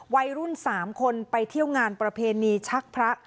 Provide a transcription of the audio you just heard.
วัยรุ่น๓คนไปเที่ยวงานประเพณีชักพระ